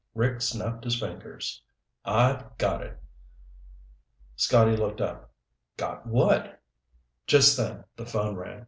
Rick snapped his fingers. "I've got it!" Scotty looked up. "Got what?" Just then the phone rang.